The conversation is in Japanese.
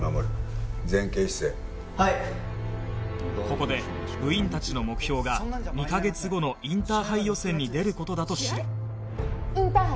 ここで部員たちの目標が２カ月後のインターハイ予選に出る事だと知る試合？